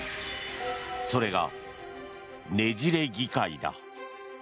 それが、ねじれ議会だ。